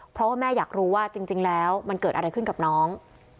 เพราะว่าแม่อยากรู้ว่าจริงแล้วมันเกิดอะไรขึ้นกับน้อง